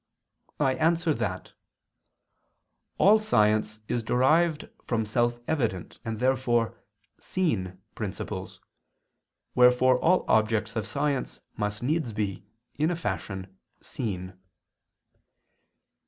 I answer that, All science is derived from self evident and therefore "seen" principles; wherefore all objects of science must needs be, in a fashion, seen.